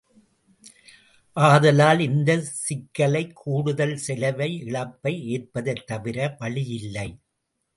ஆதலால் இந்தச் சிக்கலை கூடுதல் செலவை இழப்பை ஏற்பதைத் தவிர வழியில்லை.